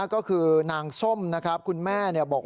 ก็คือนางส้มนะครับคุณแม่บอก